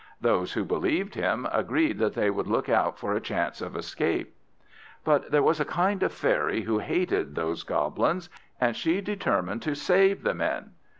Those who believed him agreed that they would look out for a chance of escape. But there was a kind fairy who hated those Goblins; and she determined to save the men.